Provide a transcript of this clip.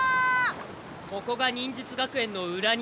ここが忍術学園の裏庭？